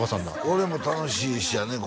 俺も楽しいしやね